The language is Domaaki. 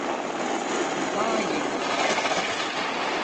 خُداݺیے کارݸ